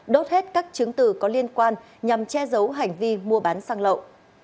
đốt hết các chứng từ có liên quan nhằm che giấu hành vi mua bán xăng lậu